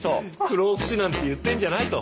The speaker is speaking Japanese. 不老不死なんて言ってんじゃないと。